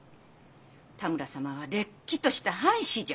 多村様はれっきとした藩士じゃ。